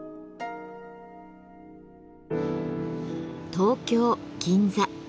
東京・銀座